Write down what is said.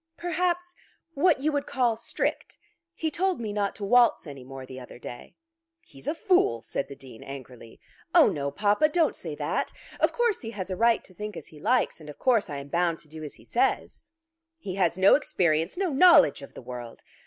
"Perhaps what you would call strict. He told me not to waltz any more the other day." "He's a fool," said the Dean angrily. "Oh no, papa; don't say that. Of course he has a right to think as he likes, and of course I am bound to do as he says." "He has no experience, no knowledge of the world.